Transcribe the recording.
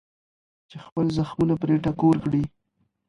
چې خپل زخمونه پرې ټکور کړي.